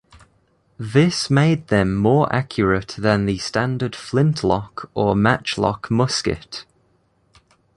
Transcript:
This made them more accurate than the standard flintlock or matchlock musket.